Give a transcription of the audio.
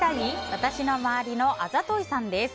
私の周りのあざといさんです。